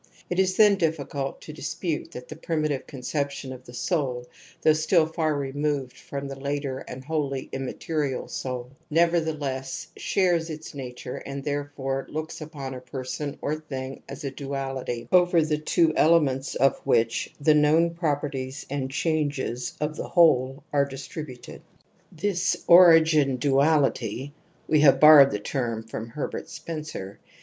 It is then difficult to dispute that the rimitive conception of the soul, though still far emoved from the later and wholly immaterial J oul, nevertheless shares its nature and therefore 1 aoks upon a person or a thing as a duality, over 1 he two elements of which the known properties i ,nd changes of the whole are distributed. This rigin duality, we have borrowed the term from erbert Spcncer^®?